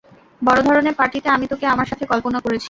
বড় ধরনের পার্টিতে আমি তোকে আমার সাথে কল্পনা করেছি।